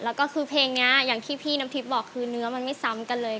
แล้วก็คือเพลงนี้อย่างที่พี่น้ำทิพย์บอกคือเนื้อมันไม่ซ้ำกันเลย